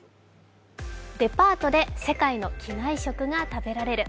デパートで世界の機内食が食べられる。